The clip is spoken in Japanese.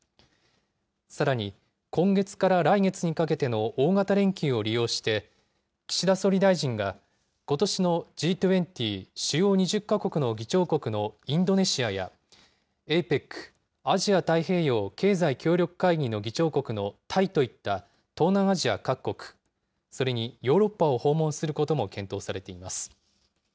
さらに今月から来月にかけての大型連休を利用して、岸田総理大臣がことしのＧ２０・主要２０か国の議長国のインドネシアや、ＡＰＥＣ・アジア太平洋経済協力会議の議長国のタイといった東南アジア各国、それにヨーロッパを訪問することも検討されています。